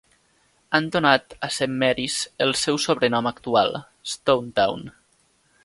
Han donat a Saint Marys el seu sobrenom actual: Stonetown.